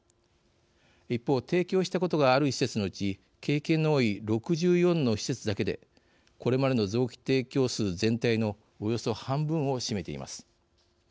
一方提供したことがある施設のうち経験の多い６４の施設だけでこれまでの臓器提供数全体のおよそ半分を占めています。